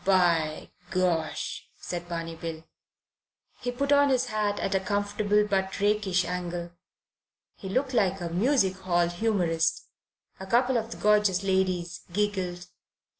"By Gosh!" said Barney Bill. He put on his hat at a comfortable but rakish angle. He looked like a music hall humourist. A couple of the gorgeous ladies giggled.